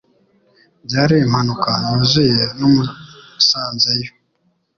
Byari impanuka yuzuye namusanzeyo